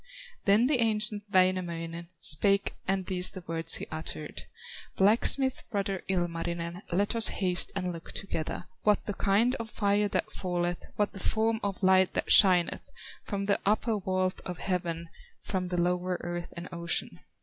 Then the ancient Wainamoinen Spake and these the words he uttered: "Blacksmith brother, Ilmarinen, Let us haste and look together, What the kind of fire that falleth, What the form of light that shineth From the upper vault of heaven, From the lower earth and ocean.